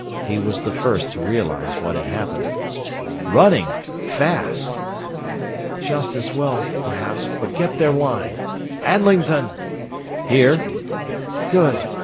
He was the first to realize what had happened. "Running fast!" "Just as well, perhaps, but get their line. Adlington!" "Here!" "Good!